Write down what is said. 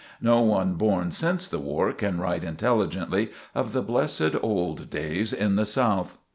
No one born since the war can write intelligently of the blessed old days in the South.